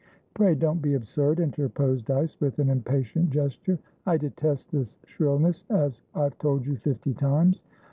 "Pray don't be absurd," interposed Dyce, with an impatient gesture. "I detest this shrillness, as I've told you fifty times."